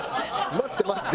待って待って。